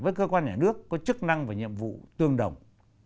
với cơ quan nhà nước có chức năng và nhiệm vụ tương đồng